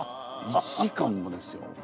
１時間もですよ。